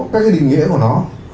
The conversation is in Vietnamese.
các cái định nghĩa của nó